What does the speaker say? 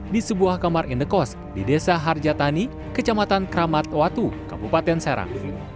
di sebuah kamar indekos di desa harjatani kecamatan kramat watu kabupaten serang